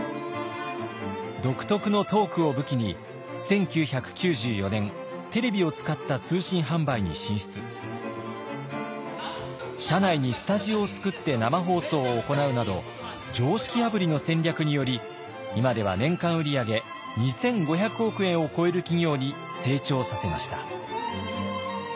独特のトークを武器に社内にスタジオを作って生放送を行うなど常識破りの戦略により今では年間売り上げ２，５００億円を超える企業に成長させました。